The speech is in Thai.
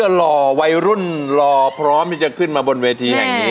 คนแหลงมารุ่นรอพร้อมจะขึ้นมาบนเวที